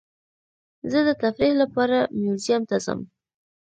زه د تفریح لپاره میوزیم ته ځم.